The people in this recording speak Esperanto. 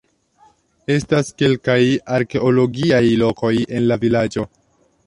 Estas kelkaj arkeologiaj lokoj en la vilaĝo.